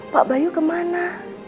pak bayu di mana